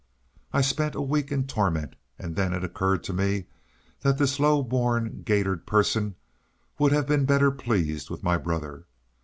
I spent a week in torment, and then it occurred to me that this low born, gaitered person would have been better pleased with my brother.